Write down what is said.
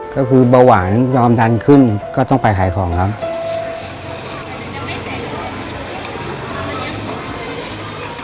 ก็คือเบาหวานยอมดันขึ้นก็ต้องไปขายของครับ